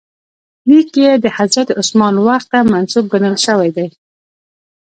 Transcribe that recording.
لیک یې د حضرت عثمان وخت ته منسوب ګڼل شوی دی.